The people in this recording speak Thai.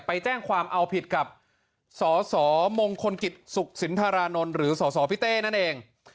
ไปแจ้งความเอาผิดกับสสมงคลกิจสุขสินธารานนท์หรือสสพี่เต้นั่นเอง